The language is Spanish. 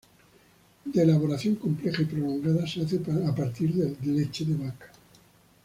De elaboración compleja y prolongada, se hace a partir de leche de vaca.